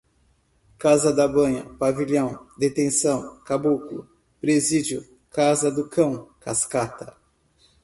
casa da banha, pavilhão, detenção, caboclo, presídio, casa do cão, cascata